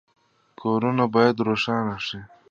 کورونه باید روښانه شي